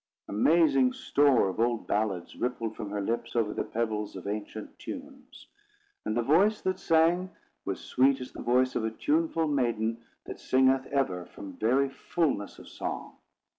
Amazing store of old ballads rippled from her lips, over the pebbles of ancient tunes; and the voice that sang was sweet as the voice of a tuneful maiden that singeth ever from very fulness of song.